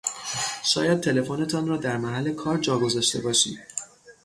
شاید تلفنتان را در محل کار جا گذاشته باشید